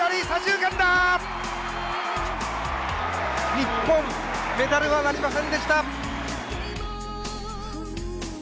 日本メダルはなりませんでした。